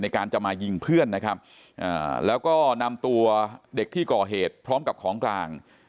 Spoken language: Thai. การจะมายิงเพื่อนนะครับแล้วก็นำตัวเด็กที่ก่อเหตุพร้อมกับของกลาง